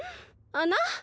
あな？